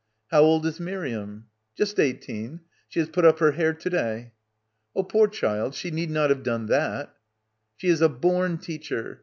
"How old is Miriam?" "Just eighteen. She has put up her hair to day." "Oh, poor child, she need not have done that." "She is a bom teacher.